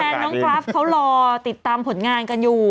น้องกราฟเขารอติดตามผลงานกันอยู่